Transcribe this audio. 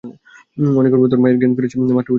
অনেকক্ষণ পর তোর মায়ের জ্ঞান ফিরেছে মাত্রই উঠে বসলো।